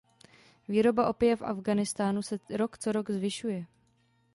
Výroba opia v Afghánistánu se rok co rok zvyšuje.